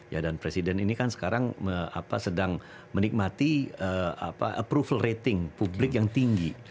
ya dan presiden ini kan sekarang sedang menikmati approval rating publik yang tinggi